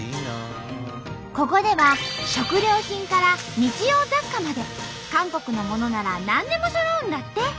ここでは食料品から日用雑貨まで韓国のものなら何でもそろうんだって！